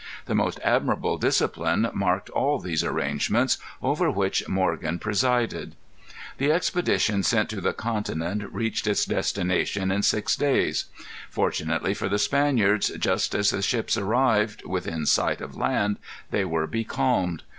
The most admirable discipline marked all these arrangements, over which Morgan presided. The expedition sent to the continent reached its destination in six days. Fortunately for the Spaniards, just as the ships arrived within sight of land, they were becalmed.